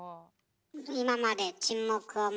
今まで沈黙を守っ